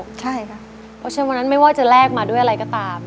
เพราะฉะนั้นวันนั้นไม่ว่าจะแลกมาด้วยอะไรก็ตาม